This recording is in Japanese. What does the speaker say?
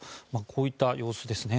こういった様子ですね。